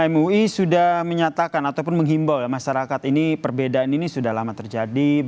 mui sudah menyatakan ataupun menghimbau masyarakat ini perbedaan ini sudah lama terjadi